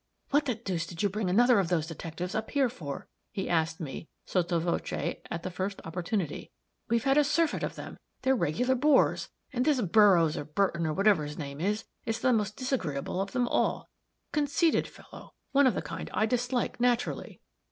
"What the deuce did you bring another of those detectives up here for?" he asked me, sotto voce, at the first opportunity. "We've had a surfeit of them they're regular bores! and this Burroughs or Burton, or whatever his name is, is the most disagreeable of them all. A conceited fellow one of the kind I dislike, naturally."